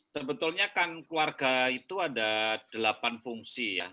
sebetulnya kan keluarga itu ada delapan fungsi ya